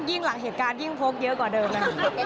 อุ๊ยยิ่งหลังเหตุการณ์ยิ่งพกเยอะกว่าเดิมนะค่ะ